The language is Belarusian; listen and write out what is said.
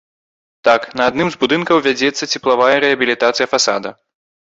Так, на адным з будынкаў вядзецца цеплавая рэабілітацыя фасада.